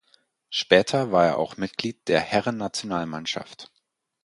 Später war er auch Mitglied der Herrennationalmannschaft.